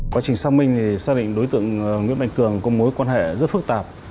quá trình xác minh thì xác định đối tượng nguyễn mạnh cường có mối quan hệ rất phức tạp